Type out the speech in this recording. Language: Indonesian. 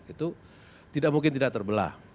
itu tidak mungkin tidak terbelah